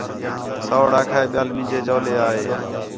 سَوڑ آکھا ہِے ٻِیال مینجے جولے آ ہے